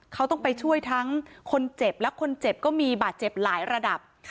เขาต้องไปช่วยทั้งคนเจ็บและคนเจ็บก็มีบาดเจ็บหลายระดับ